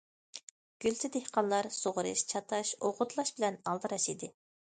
گۈلچى دېھقانلار سۇغىرىش، چاتاش، ئوغۇتلاش بىلەن ئالدىراش ئىدى.